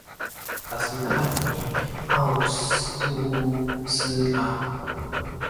卡斯泰尼奥苏斯朗。